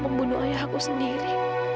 membunuh ayah aku sendiri